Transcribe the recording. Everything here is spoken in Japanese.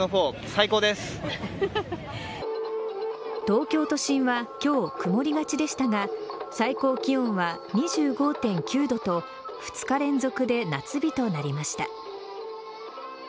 東京都心は今日曇りがちでしたが最高気温は２５．９度と２日連続で夏日となりました。